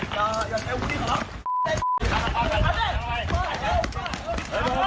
จะได้มีการทำรี่ไฟบิแต่ว่าจะผ่านไปได้